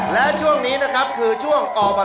และช่วงนี้นะครับคือช่วงกพ